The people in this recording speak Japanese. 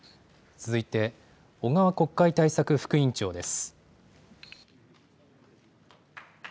続いて、小川国会対策副委員長です。